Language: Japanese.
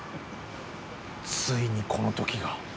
ついにこの時が。